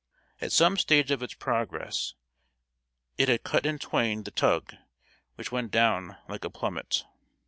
At some stage of its progress, it had cut in twain the tug, which went down like a plummet.